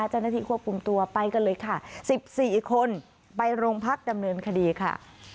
เจ้าหน้าที่ควบคุมตัวไปกันเลยค่ะ๑๔คนไปโรงพักดำเนินคดีค่ะ